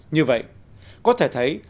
như vậy có thể thấy